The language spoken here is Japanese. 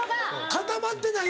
固まってないのか。